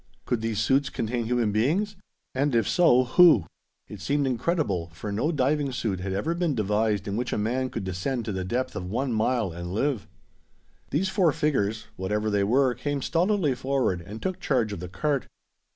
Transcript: Could these suits contain human beings? And if so, who? It seemed incredible, for no diving suit had ever been devised in which a man could descend to the depth of one mile, and live. These four figures, whatever they were, came stolidly forward and took charge of the cart.